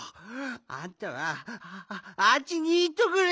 あんたはああっちにいっとくれ！